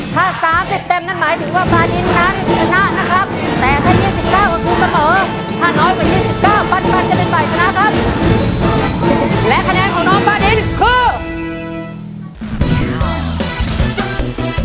ถ้า๓๐เต็มนั่นหมายถึงว่าฟาดินหนาไม่สนะนะครับ